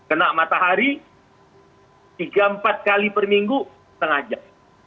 kena matahari tiga empat kali per minggu setengah jam